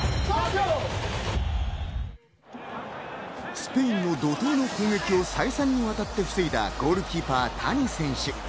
スペインの怒涛の攻撃を再三にわたって防いだゴールキーパー谷選手。